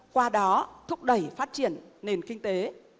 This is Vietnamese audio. qua đó thúc đẩy phát triển nền kinh tế